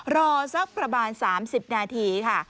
รอสักประมาณ๓๐นาทีค่ะ